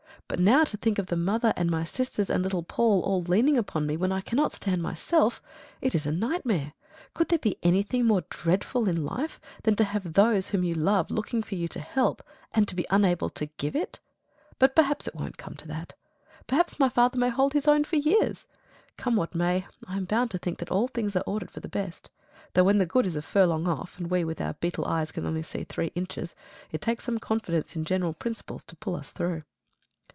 But now to think of the mother and my sisters and little Paul all leaning upon me when I cannot stand myself it is a nightmare. Could there be anything more dreadful in life than to have those whom you love looking to you for help and to be unable to give it? But perhaps it won't come to that. Perhaps my father may hold his own for years. Come what may, I am bound to think that all things are ordered for the best; though when the good is a furlong off, and we with our beetle eyes can only see three inches, it takes some confidence in general principles to pull us through.